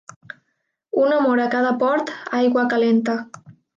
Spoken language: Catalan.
Un amor a cada port, aigua calenta.